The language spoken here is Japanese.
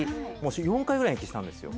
４回ぐらい延期したんですよ